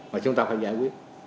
mà chúng ta phải giải quyết